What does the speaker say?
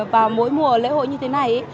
vào mỗi mùa lễ hội như thế này